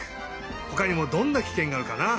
ほかにもどんなキケンがあるかな？